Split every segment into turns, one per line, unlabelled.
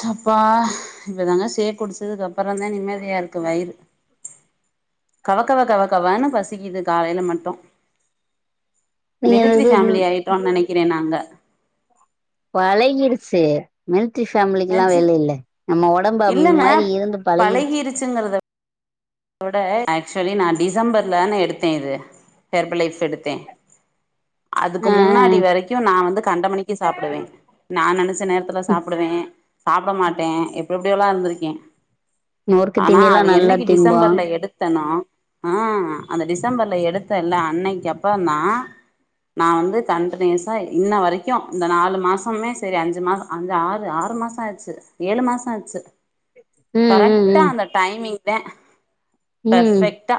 சப்பா இப்பதாங்க சே குடிச்சதுக்கப்ற தா நிம்மதியா இருக்கு வயிறு கவ கவ கவ கவனு பசிக்குது காலைல மட்டு
நீங்க [unintelligible]
டோம் நெனைக்கிறே நாங்க
பழகிடுச்சு மிலிட்ரி ஃபேமிலிக்கல்லா
நெஜ
வேலயில்ல நம்ம ஒடம்பு
இல்லங்க
அந்மாரி இருந்து பழகிருச்சு
இதோட ஆக்சுவலி நா டிசம்பர்லான எடுத்தே இது ஹெர்ப்லைப் எடுத்தே அதுக்கு
ஆ ஆ
முன்னாடி
ஆ
வரைக்கு நா வந்து கண்டமெனிக்கு சாப்டுவே நா நெனச்ச நேரத்துல சாப்புடுவே சாப்ட மாட்டே எப்டி எப்டியோலா இருந்துருக்கே
நொறுக்கு தீணியல்லா நல்லா திம்போ
எடுத்தனா ஆ அந்த டிசம்பர்ல எடுத்தால்ல அன்னக்கி அப்பந்தா நா வந்து கன்டினியூஸா இன்ன வரைக்கு இந்த நாலு மாசமுமே செரி அஞ்சு மா அந்த ஆறு ஆறு மாசா ச்சு ஏழு மாசா ச்சு
ம் ம்
கரெட்டா
ம்
அந்த டைமிங் தெ
ம்
பெர்ஃபெக்டா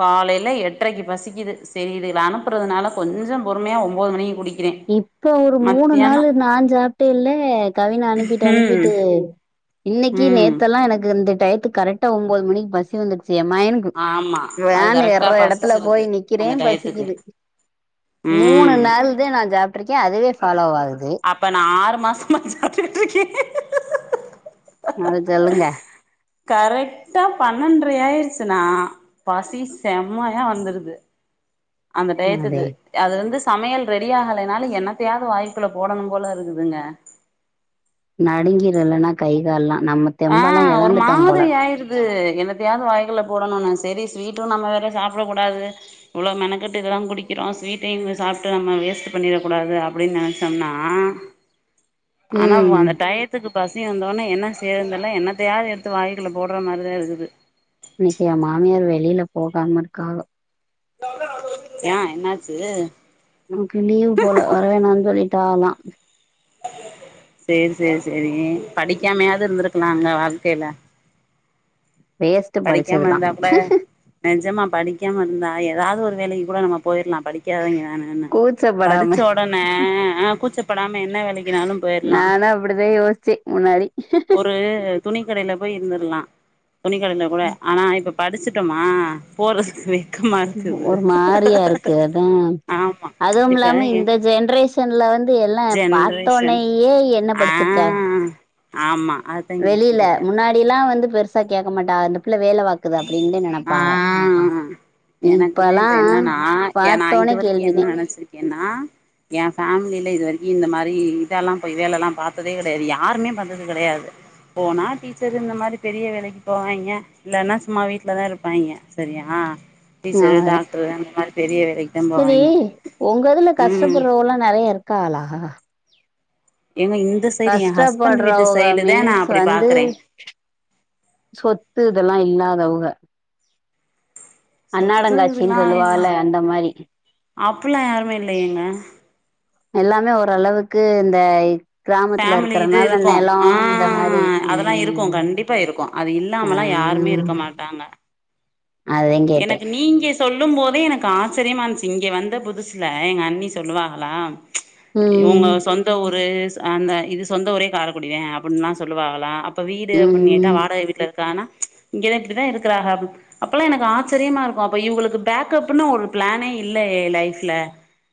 காலைய்ல எட்ரைக்கு பசிக்குது சேரி இது இத அனுப்புறதுனால கொஞ்சோ பொறுமையா ஒம்போது மணிக்கு குடிக்
இப்ப ஒரு மூணு நாளு நா சாப்டேல்ல கவின அனுப்பிட்டு
ம்
அனுப்பிட்டு இன்னக்கி
ம்
நேத்தெல்லா எனக்கு இந்த டயத்து கரெடா ஒன்பது மணிக்கு பசி வந்துருச்சு ஏ மைனுக்
ஆமா அது
வேன்
கரெக்டா
ஏர்ற எடத்துல போய்
பசிச்சிருது
நிக்கிறே
அந்த டயத்துக்கு
பசிக்குது மூணு
ம்
நாள் தா நா சாப்ட்ருக்கே அதுவே ஃபாலோ ஆகுது
அப்ப நா ஆறு மாசமா சாப்டுட்ருக்கே
அது சொல்லுங்க
கரெக்டா பன்னெண்ரை ஆயிடுச்சுண்ணா பசி செம்மையா வந்துருது அந்த டயத்துக்கு
அதே
அதுலந்து சமையல் ரெடி ஆகலைனாலு என்னத்தையாவது வாய்குல்ல போடணும் போல இருக்குதுங்க
நடுங்கிரு இல்லன்னா கை கால் லா நம்ம
ஆ
தெம்பெல்லாம்
ஒரு
இழந்துட்டோம் போல.
மாத்ரி ஆயிருது து என்னத்தையாவது வாய்குல்ல போடணுனு சரி ஸ்வீட்டு நம்ம வேற சாப்ட கூடாது இவ்ளோ மெனக்கெட்டு இதெல்லா குடிகிறொ ஸ்வீட்டையு இங்க சாப்ட்டு நம்ம வேஸ்ட் பண்ணிடக்கூடாது அப்டினு நெனச்சோம்னா ஆனா பா
ம்.
அந்த டயட் இத்துக்கு பசி வந்தோனே என்ன செய்றதுந்தெர்ல என்ன தேயாது எடுத்து வய்க்குல்ல போட்ற மாரிதா இருக்குது
இன்னக்கி எ மாமியார் வெளியில போகாம இருக்காக
ஏ என்னாச்சு
நமக்கு லீவு போல வர வேணானு சொல்லிட்டாங்கலா
சேரி சேரி செரி படிக்காமையாவது இருந்திருக்கலால அங்க வாழ்கையில
வேஸ்ட்டு
படிக்காம
படிச்சதெல்லாம்.
இருந்தா கூட நெஜமா படிக்காம இருந்தா ஏதாவது ஒரு வேலக்கு கூட நம்ம போயிற்லா படிக்காதவங்க தான னு படிச்ச
கூச்சப்படாம
உடனே அ கூச்ச இப்ப நாம என்ன வேலக்கினாலு போயிர்லா
நானும் அப்படிதான் யோசிச்சேன் முன்னாடி.
ஒரு துணி கடையில போய் இருந்துர்லா துணி கடையில கூட ஆனா இப்ப படிச்சுட்டமா போறதுக்
ஒரு மாரீயா ருக்கு அதா
ஆமா
அதுவும்
இப்ப
இல்லாம
எ
இந்த ஜென்ரேஷன்ல வந்து எல்லா
ஜென்ரேஷன்
பாத்தொனையே என்ன
ஆ
படிச்சிர்க்க
ஆமா அத்
வெளிய்ல முன்னாடிலா எல்லா வந்து பெருசா கேட்க மாட்டாங்க அந்த பிள்ள வேல வாக்குது அப்படின்னு நினைப்பாங்க
ஆ எனக்குமே இப்ப என்னன்னா ஏ நா இது
பாத்தோனே
வரைக்கு என்ன
கேள்விதான்.
நெனச்சிருக்கேன்னா எ ஃபேம்லில இது வரைக்கு இந்த மாரி இதெல்லா போய் வேல ல்லா பாத்ததே கெடையாது யாருமே பாத்தது கெடையாது போனா டீச்சர் இந்த மாரி பெரிய வேலைக்கி போவாய்ங்க இல்லன்னா சும்மா வீட்டு்ல தா இருப்பாய்ங்க சரியா டீச்சரு
அவ்ளோதான்.
டாக்டரு அந்த மாதிரி பெரிய வேலைக்கு தான் போவாய்ங்க ம்
போலாம் நிறைய இருக் காலா
எங்க இந்த சைடு ஏ ஹஸ்பண்ட் வீட்டு
கஷ்டப்படுறவங்க
சைடு தா நா
மீன்ஸ்
அப்டி
வந்து
பாக்குறே
சொத்து இதெல்லாம் இல்லாதவங்க
சொத்து
அன்னாடங்காட்சின்னு
இதெல்லாம் இல்லை
சொல்லுவாகல்ல அந்த மாரி
அப்பல்லா யாருமே இல்லைய இங்க
எல்லாமே ஓரளவுக்கு இந்த கிராமத்துல
ஃபேமிலி இது
இருக்கறனால
இருக்கும்
நெலோ இந்த மாரி
ஆஹ் அதெல்லாம்
ம்
இருக்கும் கண்டிப்பா இருக்கும் அது
ஆ
இல்லாமல்லா யாருமே இருக்க மாட்டாங்க
அதா கேட்டே
எனக்கு நீங்க சொல்லும் போதே எனக்கு ஆச்சரியமா இருந்சு இங்கே வந்த புதுசுல எங்க அண்ணி சொல்லுவாகளா இவங்க
ம்
சொந்த ஊர் இது அந்த இது சொந்த ஊரே காரகுடிதான் அப்படின்னுல்லாம் சொல்லுவகலாம் அப் ப வீடு அப்படின்னு கேட்டா
ம்
வாடகை வீட்டுல இருக்கானா இங்கதா இப்படிதான் இருக்கிறாக அப்பெல்லாம் எனக்கு ஆ சரியமா இருக்கும் அப்ப இவகளுக்கு பேக்கப்ன்னு ஒரு பிளானே இல்லை யே லைஃப்ல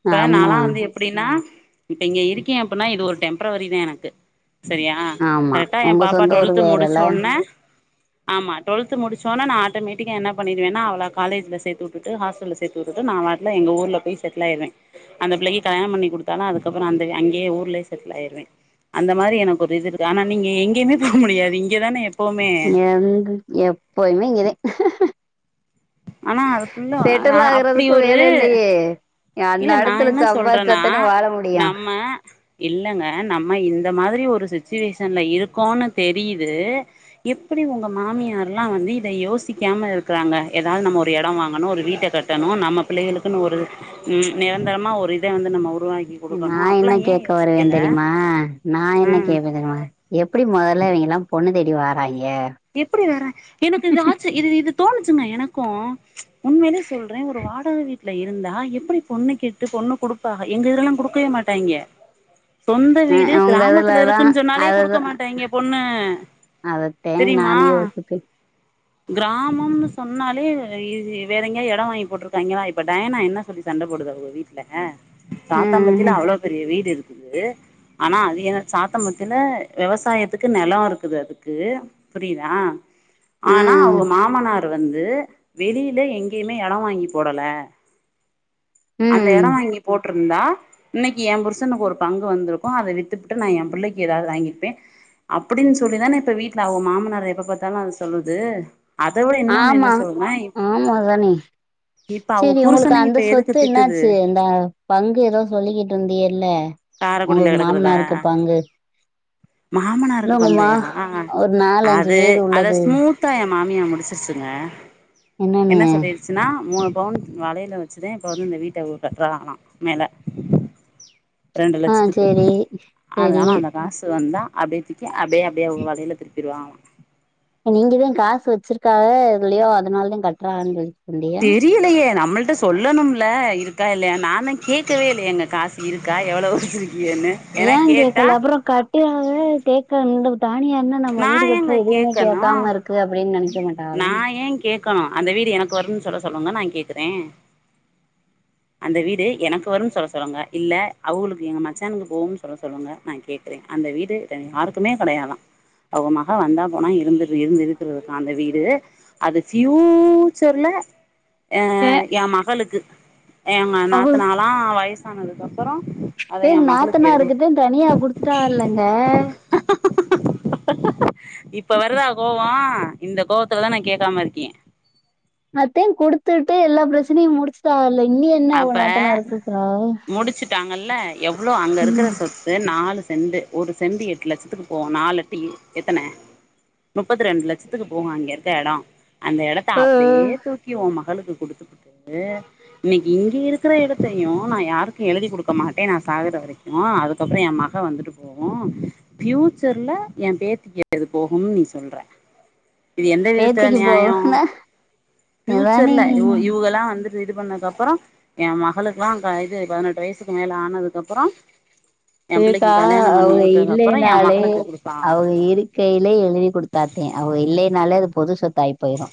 இப்ப
ஆமா
நாலாம் வந்து எப்படின்னா இப்ப இங்க இருக்கேன் அப்படின்னா இது ஒரு டெம்ரவரி தான் எனக்கு சரியா
ஆமா
கரெக்டா என்
உங்க
பாப்பா
சொந்த ஊரு
டுவெல்த்
வேறல்ல
முடிச்சோன்னே ஆமா டுவெல்த்து முடிச்சோன்ன நான் ஆட்டோமேட்டிக்கா என்ன பண்ணி வேனா அவள காலேஜல சேத்து விட்டுட்டு ஹாஸ்டல்ல சேத்து உட்டுட்டு நா பாட்டுல எங்க ஊர்ல போய் செட்டில் ஆயிருவேன் அந்த பிள்ளைக்கு கல்யாணம் பண்ணி கொடுத்தாலும் அதுக்கப்புற அந்த அங்கயே ஊர்லயே செட்டில் ஆயிருவேன் அந்த மாரி எனக்கு ஒரு இது இருக்கு ஆனா நீங்க எங்கயுமே போக முடியாது இங்கதானே எப்பவுமே
எங்க எப்பயுமே இங்கதே
ஆனா அதுக்குள்ள ஆ
செட்டில்
அப்டி
ஆகுறதுக்கு
ஒரு
வேல இல்லையே அன்ன
இல்ல நான்
அடுத்துல
என்ன சொல்றேன்னா
சம்பாதிச்சாத்தானே வாழ முடியு
நம்ம இல்லைங்க நம்ம இந்த மாதிரி ஒரு சிச்சுவேஷன்ல இருக்கோனு தெரியுது எப்படி உங்கள் மாமியார்லாம் வந்து இதை யோசிக்காம இருக்கிறாங்க ஏதாவது நம்ம ஒரு இடம் வாங்கணும் ஒரு வீட்டை கட்டணும் நம்ம பிள்ளைகளுக்குன்னு ஒரு ம் நிரந்தரமா ஒரு இதை வந்து நம்ம உருவாக்
நான் என்ன கேக்க வருவேன் தெரியுமா நான் என்ன
ம்
கேட்பேன் தெரியுமா எப்டி முதல்ல இவங்கெல்லாம் பொண்ணு தேடி வாராய்ங்க
எப்டி வறா எனக்கு இது ஆச்சு இது இது தோணுச்சுங்க எனக்கும் உண்மையலே சொல்றேன் ஒரு வாடகை வீட் ல இருந்தா எப்டி பொண்ணு கேட்டு பொண்ணு கொடுப்பாக எங்க இதெல்லாம் கொடுக்கவே மாட்டாய்ங்க சொந்த வீடு
அ உங்க
கிராமத்துல
இதுலல்லா
இருக்குன்னு சொன்னாலே குடுக்க
அதுதா
மாட்டாய்ங்க பொண்ணு
அதத்தே
தெரியுமா
நானு யோசிப்பே
கிராமம்னு சொன்னாலே இ வேற எங்கயா இடம் வாங்கி போட்டிருக்காய்ங்களா இப்போ டயனா என்ன சொல்லி சண்டை போடுதா அவுக வீட்டு ல தாத்தம்பத்தில
ம்
அவ்வளவு பெரிய வீடு இருக்குது ஆனா அது என் சாத்த மத்தில விவசாயத்துக்கு நிலம் இருக்குது அதுக்கு புரியுதா ஆனா
ம்
அவ மாமனார் ட்ட வந்து வெளியில எங்கேயுமே இடம் வாங்கி போடல அந்த
ம்
இடம் வாங்கி போட்டிருந்தா இன்னைக்கு என் புருசனுக்கு ஒரு பங்கு வந்திருக்கும் அதை வித்துப்பிட்டு நான் என் பிள்ளைக்கு ஏதாவது வாங்கிருப்பேன் அப்படின்னு சொல்லிதானே இப்ப வீட்டுல அவ மாமனார எப்ப பாத்தாலும் அது சொல்லுது அத விட இன்னொன்னு என்ன
ஆமா
சொல்னா இப்
ஆமா தானே
இப்ப அவ புருசனையு இப்ப எதுக்கு
த்து
திட்டுது
என்னாச்சு இந்த பங்கு எதோ சொல்லிக்கிட்ருந்தியே இல்ல
காரக்குடில கெடக்கறதா
இல்ல
மாமனாருக்கு
உங்க மா
பங்கையா
ஒரு நாலு அஞ்சு
அது
வீடு
அத
உள்ளது
ஸ்மூத் தா ஏ மாமியா முடிச்சிருச்சுங்க
என்னன்னு
என்ன சொல்லிர் ச்சுனா மூணு பவுண் வளையல வச்சுதே இப்ப வந்து இந்த வீட்ட கட்றராளா மேல ரெண்டு
ஆ
லட்சத்துக்கு
சேரி சேரி
அதனால அந்த காசு வந்தா அப்டியே தூக்கி அப்டியே அப்டியே அவுக வளையல திருப்பிருவாங்களா
நீங்கதா காசு வெச்சிருக்காக எதுலயோ அதனால தா கட்றாகன்றது
தெரிய லயே நம்மள்ட்ட சொல்லணும்ல இருக்கா இல்லையான் நானு கேக்கவே இல்லயேங்க காசு இருக்கா எவ்வளோ வெச்சிருக் இ என்ன
ஏ கேக்கல அப்பறோ கட்டி [unintelligible] கேக்கல இந்த தானிய அன்ன நம்ம
நா
வீடு
ஏங்க
காட்ரோ எதுவுமே
கேட்கணு
கேக்காம இருக்குது அப்டின் நெனைக்க மாட்
நா ஏ கேக்கணு அந்த வீடு எனக்கு வருன் சொல்ல சொல்லுங்க நா கேக்கறே அந்த வீடு எனக்கு வருன் சொல்ல சொல்லுங்க இல்ல அவுகளுக்கு எங்க மச்சானுக்கு போவும் சொல்ல சொல்லுங்க நா கே க்ரே அந்த வீடு த யாருக்குமே கெடையாதா அவுக மக வந்தா போனா இருந்துர் இருந்து இருக்கறதுக்கா அந்த வீ டு அது பியூச்சர்ல அ ஏ மகளுக்கு ஏங்க
அவ
நாத்தனாலா வயசானதுக்கு அப்பறோ அத
ஏ உங்
எ மகளுக்கு எழுதி
நாத்தனாருக்குதே தனியா குடுத்துட்டாக இல்லங்க
இப்ப வருதா கோவோ இந்த கோவத் துல தா நா கேக்காம இருக்கே
அத்தே குடுத்தூட்டு எல்லா பிரச்சனையு முடிச்சு
அப்ப முடிச்சுட்டாங்கல்ல எவ்ளோ அங்க இருக்கற
ம்
சொத்து நாலு சென்டு ஒரு சென்டு எட்டு லட்சத்துக்கு போவு நாலெட்டு இ எத்தன முப்பத்திரெண்டு லட்சத்துக்கு போகு அங்க இருக்க எடோ அந்த எடத்த
ஆ
அப்படியே தூக்கி ஒ மகளுக்கு குடுத்துப்புட்டு இன்னிக்கி இங்க இருக்கற எடத்தையு நா யாருக்கு எழுதி குடுக்க மாட்டே நா சாகற வரைக்கு அதுக்கப்பறோ ஏ மக வந்துட்டு போ வூ ஃபியூச்சர்ல ஏ பேத்திக்கு இது போகும் நீ சொல்ற இது எந்த விதத்துல
பேத்திக்கு
நியாயோ
போகுனா எதானே
ஃபியூச்சர்ல இவ் இவுகலா வந்து இது இது பண்ண அப்பறோ ஏ மகளுக்குலா க இது பதினெட்டு வயசுக்கு மேல ஆனதுக்கப்பறோ
இருக்கா அவுக
எ
இல்லேனாலே
மகளுக்கு குடுப்பாங்களா
அவுக இரு க்கையில எழுதி குடுத்தாத்தே அவுக இல்லைனாலே அது பொது சொத்தாயி போயிரு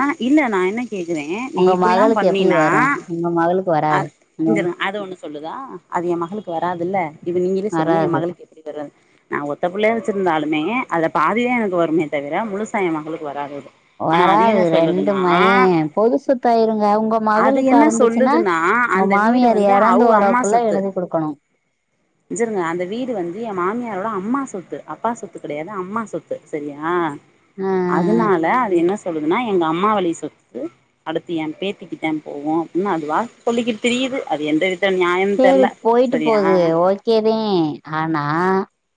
ஆ இல்ல நா என்ன கேக்கறே நீ
உங்க
இப்புல்லா
மகளுக்கு எப்டி
பண்ணீன்னா
வரு உங்க மகளுக்கு
அ
வராது ம்
[unintelligible] அது ஒண்ணு சொல்லுதா அது ஏ மகளுக்கு வராதுல்ல இப்ப நீங்களே சொல்லுங்க ஏ
வராது
மகளுக்கு எப்டி வருன் நா ஒத்த புள்ளைய வெச்சிருந்தாலுமே அத பாதிதே எனக்கு வருமே தவிர முழுசா ஏ மகளுக்கு வராது அது ஆனா அது
வராது
என்ன
ரெண்டு
சொல்லுதுன்னா
மயே பொது சொத்தாயிருங்க உங்க
அது
மகளுக்கா
என்ன
இருந்துச்சுனா
சொல்லுதுன்னா
உங்க
அந்த வீடு
மாமியார்
வந்து
எறந்து
அவுக
போராக்குள்ள எழுதி குடுக்கணு
இஞ்சருங்க அந்த வீடு வந்துஏ மாமியாரோட அம்மா சொத்து அப்பா சொத்து கெடையாது அம்மா சொத் து செரியா
ஆ ஆ
அதனால அது என்ன சொல்லுதுனா எங்க அம்மா வழி சொத்து அடுத்து எ பேத்திக்கு தா போவும் அப்ன்னு அதுவா வா சொல்லிக்கிட்டு திரியுது அது எந்த வித நியாயம்னு
செரி
தெர்ல
போயிட்டு
சரியா
போது ஓகேதேன் ஆனா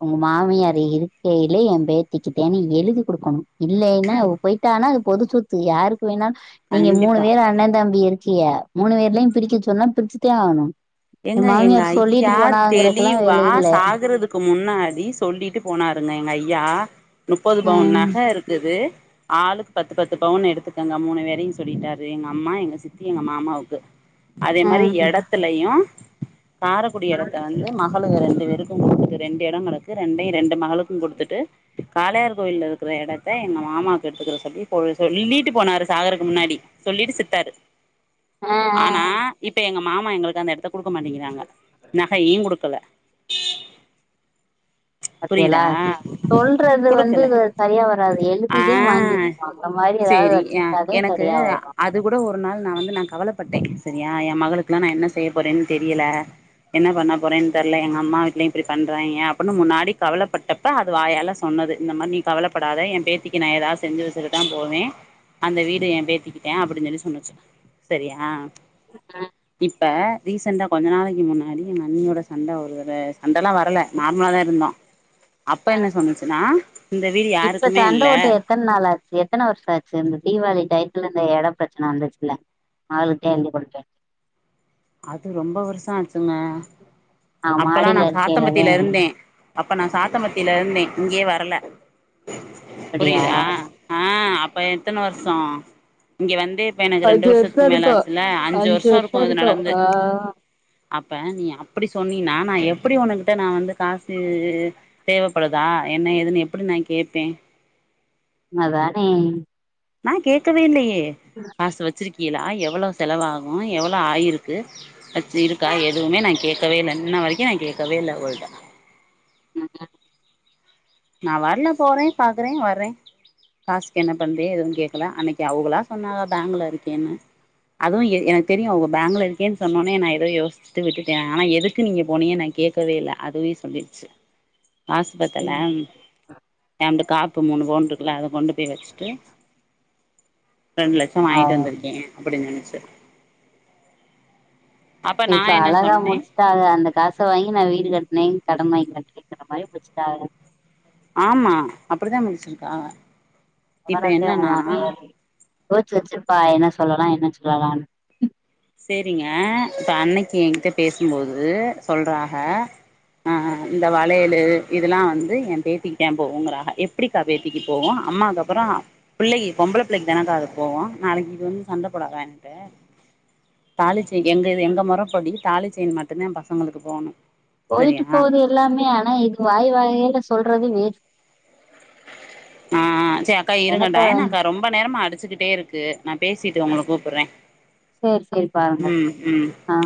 ஒங்க மாமியாரு இருக்கேலே எம் பேத்திக்கு தானு நீ எழுதி குடுக்கணு இல்லயினா போயிட்டானா அது பொது சொத்து யாருக்கு வேணா நீங்க மூணு
கண்டிப்பா
பேரு அண்ணே தம்பி இருக்கிய மூணு பேர்லயு பிரிக்க சொன்னா பிரிச்சித்தேன் ஆகணு
ஏங்க
என்
எங்க
மாமியார் சொல்லிட்டு
ஐயா
போனாங்கறக்கெல்லா
தெளிவா
வேல இல்ல
சாகுறதுக்கு க்கு முன்னாடி சொல்லிட்டு போனாருங்க எங்க ஐயா முப்பது பவுன்
ம்
நக இருக்குது ஆளுக்கு பத்து பத்து பவுனு எடுத்துக்கங்க மூணு வேரையு சொல்லிட்டாரு எங்க அம்மா எங்க சித்தி எங்க மாமாவுக்கு அதே மாறி
ம்
எடத்துலயு காரக்குடி எடத்த வந்து மக மகளுங்க ரெண்டு பேருக்கு குடுத்துட்டு ரெண்டு எடோ கெடக்கு ரெண்டையு ரெண்டு மகளுக்கும் குடுத்துட்டு காளையார் கோயில்ல இருக்கிற எடத்த எங்க மாமாக்கு எடுத்துக்கிற சொல்லி சொல்லீட்டு போனாரு சாகருக்கு முன்னாடி சொல்லிட்டு செத்தாரு
ஆ ஆ
ஆனா இப்ப எங்க மாமா எங்களுக்கு அந்த எடத்த குடுக்க மாட்டேங்கிறாங்க நகையும் குடுக்கல புரிதா
பாத்தியலா சொல்றது வந்து சரியா வராது
ஆ
எழுதிதே வாங்கிரனோ அந்த மாறி ஏதாது
சேரி அ
வச்சுக்கிட்டா
எனக்கு அ அது கூட ஒரு நாள் நா வந்து நா கவலப்பட்டே செரியா எ மகளுக்குல நா என்ன செய்ய போறேனு தெரியல என்ன பண்ண போறேனு தெர்ல எங்க அம்மா வீட்லயு இப்டி பண்றாங்கே அப்புனு முன்னாடி கவலப்பட்டப்ப அது வாயால சொன்னது இந்த மாறி நீ கவலப்படாத என் பேத்திக்கு நா ஏதாது செஞ்சு வச்சிட்டுதா போவேன் அந்த வீடு என் பேத்திக்கி தான் அப்டினு சொல்லி சொன்னுச்சு செரியா இப் இப்போ ரீசெண்ட்டா கொஞ்ச நாளைக்கி முன்னாடி எங்க அண்ணியோட சண்ட ஒருதர சண்டலா வரல நார்மலா தான் இருந்தோம் அப்ப என்ன சொன்னுச்சுனா இந்த வீடு யாருக்குமே இல்ல
எத்தன் நாளா ஆச்சு எத்தன வருஷோ ஆச்சு இந்த தீவாளி டயத்துல இந்த எட பிரச்சன வந்துச்சுல்ல மகளுக்குதா எழுதி குடுப்பேன்
அது ரொம்ப வர்ஷோ ஆச்சுங்க
அவ
அப்பல்லா நா
மாடியில இருக்கையிலதே
சாத்தம்பட்டில இருந்தேன் அப்ப நா சாத்தம்பட்டில இருந்தேன் இங்கே வரல
அப்படியா
புரியுதா ஆ அப்ப எத்தன வர்சோ இங்க வந்தே இப்ப எனக்கு ரெண்டு
அஞ்சு
வருஷத்துக்கு
வருஷம்
மேல
இருக்கு
ஆச்சுல்ல அஞ்சு வருஷோ
வருஷம்
இருக்கும் இது
இருக்கு
நடந்து
ஆ
அப்ப நீ அப்படி சொன்னீனா நா எப்டி ஒன்கிட்ட நா வந்து காசு தேவப்படுதா என்ன ஏதுன்னு எப்படி நான் கேட்பேன்
அதானே
நான் கேட்கவே இல்லையே காசு வச்சிருக்கீலா எவ்வளோ செலவாகும் எவ்வளோ ஆயிருக்கு வச்சி இருக்கா எதுவுமே நான் கேட்கவேல இன்ன வரைக்கும் நான் கேட்கவேல்ல அவள்ட்ட
ம்
நான் வாட்ல. போறேன் பாக்குறேன் வர்றேன் காசு என்ன பண்து எதுவும் கேக்கல அன்னைக்கு அவங்களா சொன்னாகா பேங்கல இருக்கேன்னு அதுவும் எ எனக்கு தெரியும் அவங்க பேங்குல இருக்கேன்னு சொன்னனே நான் எதுவும் யோசின் த்து விட்டுட்டேன் ஆனா எதுக்கு நீங்க போனிகனு நான் கேக்கவே இல்ல அதுவே சொல்லிடுச்சு பத்தலாம் அவன்ட்ட காப்பு மூணு பவுன் இருக்குல அத கொண்டு போய் வெச்சுட்டு ரெண்டு லட்ச
ஆ
வாங்கிட்டு வந்திருக்கேன் அப்படின்னு சொன்ச்சி அப்ப நா என்ன சொன்னேன்
த ஆ அந்த காச வாங்கி நான் வீடு கட்னேன் கடன் வாங்கி கட்றேன்ங்குற மாறி முடிச்சட்டாக
ஆமா அப்பிடித்தா மிதிச்சிருக்கா இப்ப என்னன்னா
யோச்சி வச்சிருப்பா என்ன சொல்லலா என்ன சொல்லலானு
சேரிங்க இப்ப அன்னைக்கு என்கிட்ட பேசும்போது சொல்றாக ஆ இந்த வளையலு இதெல்லா வந்து ஏ பேத்திகிதே போகுங்கிறா எப்டி கா பேத்திக்கு போவு அம்மாக்கு அப்புறோ பிள்ளைக்கி பொம்பள பிள்ளைக்கு தானக்கா அது போவு நாளைக்கு இது வந்து சண்டப்போடாத ஏன்ட தாலிச்செய்ன் எங்க எங்க முறப்படி தாலிச்செய்ன் மட்டுந்தா பசங்களுக்கு போணு
போய்ட்டு
சரியா
போது எல்லாமே ஆனா இப்ப வாய் வகையில சொல்றது வேஸ்ட்
ஆ ஆ சே அக்கா இருங்க
என்னத்த
டாயனக்கா ரொம்ப நேரமா அடிச்சுக்கிட்டேருக்கு நா பேசிட்டு உங்களுக்கு கூப்புட்றே
சேரி சேரி பாருங்க
ம் ம்
ஆ